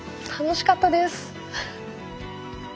楽しかったです。